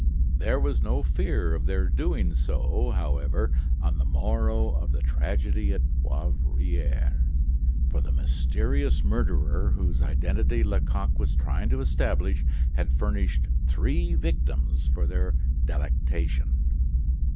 There was no fear of their doing so, however, on the morrow of the tragedy at Poivriere, for the mysterious murderer whose identity Lecoq was trying to establish had furnished three victims for their delectation.